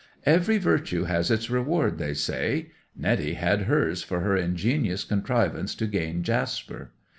'Every virtue has its reward, they say. Netty had hers for her ingenious contrivance to gain Jasper.